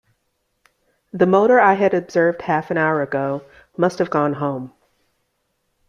The motor I had observed half an hour ago must have gone home.